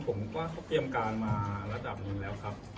ผมว่าเขาเตรียมการมาระดับหนึ่งแล้วครับ